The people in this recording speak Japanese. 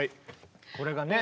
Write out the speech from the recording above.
これがね